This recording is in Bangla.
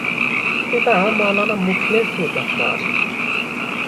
পিতা মওলানা মুখলেসুর রহমান।